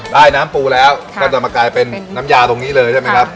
ได้น้ำปูแล้วก็จะมากลายเป็นน้ำยาตรงนี้เลยใช่ไหมครับ